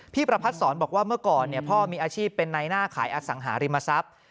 ประพัดศรบอกว่าเมื่อก่อนพ่อมีอาชีพเป็นในหน้าขายอสังหาริมทรัพย์